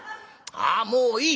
ああもういい。